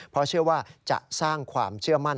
เพราะเชื่อว่าจะสร้างความเชื่อมั่น